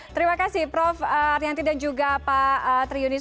terima kasih prof aryanti dan juga pak triunis